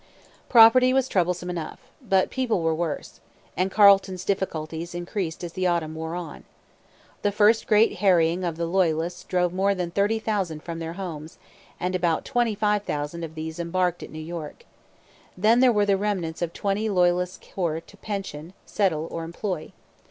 Property was troublesome enough. But people were worse. And Carleton's difficulties increased as the autumn wore on. The first great harrying of the Loyalists drove more than thirty thousand from their homes; and about twenty five thousand of these embarked at New York. Then there were the remnants of twenty Loyalist corps to pension, settle, or employ.